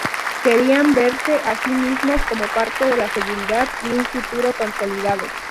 Querían verse a sí mismos como parte de la seguridad y un futuro consolidado.